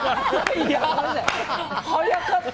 早かった！